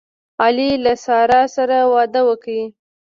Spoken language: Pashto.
علي له سارې سره واده وکړ.